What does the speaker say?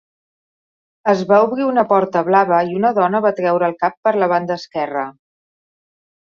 Es va obrir una porta blava i una dona va treure el cap per la banda esquerra.